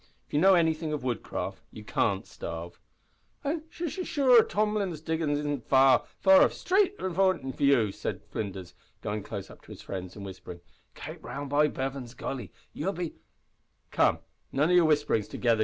If you know anything of woodcraft you can't starve." "An' sh sh sure Tomlin's Diggin's isn't far far off straight f f fornint you," said Flinders, going close up to his friends, and whispering, "Kape round by Bevan's Gully. You'll be " "Come, none of your whisperin' together!"